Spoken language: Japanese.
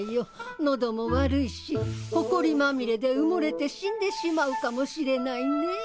喉も悪いしほこりまみれで埋もれて死んでしまうかもしれないねぇ。